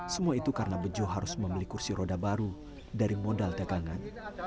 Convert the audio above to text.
semua itu karena bejo harus membeli kursi roda baru dari modal dagangan